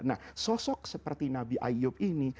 nah sosok seperti nabi ayub ini